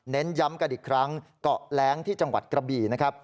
ย้ำกันอีกครั้งเกาะแร้งที่จังหวัดกระบี่นะครับ